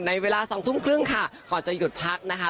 เวลาสองทุ่มครึ่งค่ะก่อนจะหยุดพักนะคะ